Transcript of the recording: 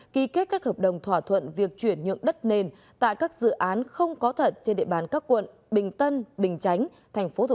ký kết các hợp đồng thỏa thuận việc chuyển nhượng đất nền tại các dự án không có thật trên địa bàn các quận bình tân bình chánh